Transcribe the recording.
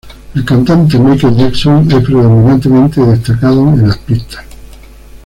El cantante Michael Jackson es predominantemente destacado en las pistas.